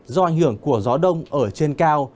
do ảnh hưởng của gió đông ở trên cao